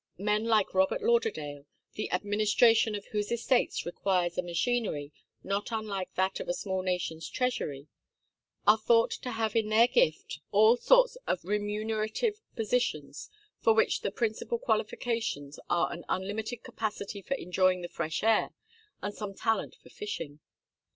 Men like Robert Lauderdale, the administration of whose estates requires a machinery not unlike that of a small nation's treasury, are thought to have in their gift all sorts of remunerative positions, for which the principal qualifications are an unlimited capacity for enjoying the fresh air and some talent for fishing.